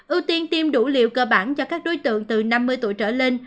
ưu tiên tiêm đủ liều cơ bản cho các đối tượng từ năm mươi tuổi trở lên